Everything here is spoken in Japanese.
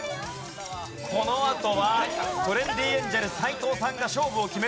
このあとはトレンディエンジェル斎藤さんが勝負を決めるか。